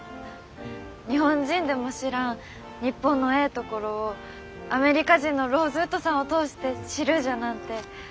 日本人でも知らん日本のええところをアメリカ人のローズウッドさんを通して知るじゃなんて